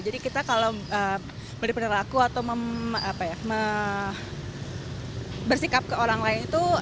jadi kita kalau berpeneraku atau bersikap ke orang lain itu